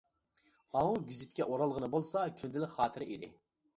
ئاۋۇ گېزىتكە ئورالغىنى بولسا كۈندىلىك خاتىرە ئىدى.